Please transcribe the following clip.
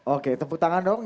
oke tepuk tangan dong